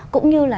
cũng như là